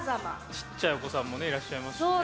小さいお子さんもいらっしゃいますし。